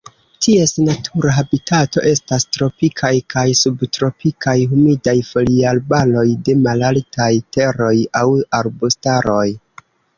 Ties natura habitato estas tropikaj kaj subtropikaj humidaj foliarbaroj de malaltaj teroj aŭ arbustaroj.